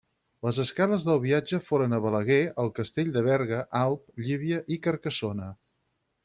Les escales del viatge foren a Balaguer, el castell de Berga, Alp, Llívia i Carcassona.